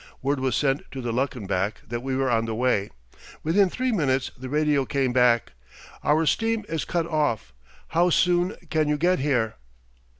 Word was sent to the Luckenbach that we were on the way. Within three minutes the radio came back: "Our steam is cut off. How soon can you get here?"